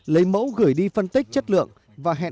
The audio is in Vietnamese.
lấy mẫu gửi đi phân tích chất lượng và hẹn